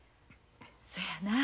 そやなあ。